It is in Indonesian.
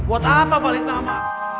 buat apa balik nama